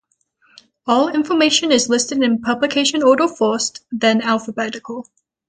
All information is listed in publication order first, then alphabetical.